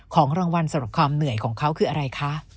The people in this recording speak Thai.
ของรางวัลสำหรับความเหนื่อยของเขาคืออะไรคะ